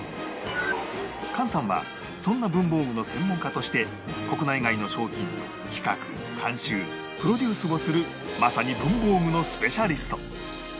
菅さんはそんな文房具の専門家として国内外の商品の企画監修プロデュースをするまさに文房具のスペシャリスト